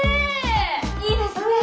いいですね！